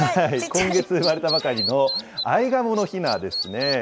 今月生まれたばかりのアイガモのひなですね。